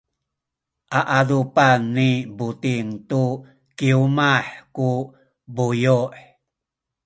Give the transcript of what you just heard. a adupan ni Buting tu kiwmah ku buyu’.